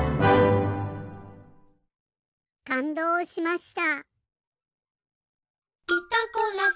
かんどうしました。